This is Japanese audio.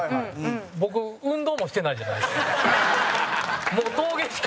僕、運動もしてないじゃないですか。